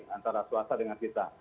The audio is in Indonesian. antara swasta dengan swasta